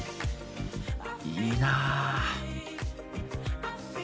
いいなぁ。